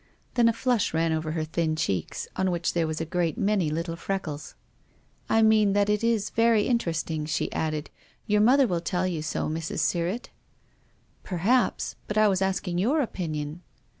Then a flush ran over her thin cheeks, on which there were a great many little freckles. " I mean that it is very interesting," she added. " Your mother will tell you so, Mrs. Sirrett." " Perhaps. But I was asking your opinion."